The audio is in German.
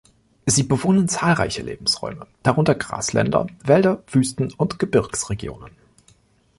Sie bewohnen zahlreiche Lebensräume, darunter Grasländer, Wälder, Wüsten und Gebirgsregionen.